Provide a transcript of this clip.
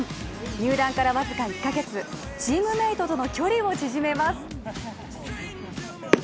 入団から僅か１か月チームメイトとの距離を縮めます。